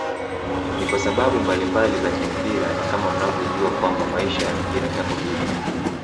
Ni kwasababu mbalimbali za kimpira na kama mnavyojua kwamba maisha ya mpira yako hivyo